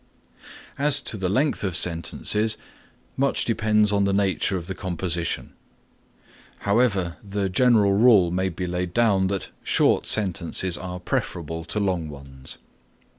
As to the length of sentences much depends on the nature of the composition. However the general rule may be laid down that short sentences are preferable to long ones.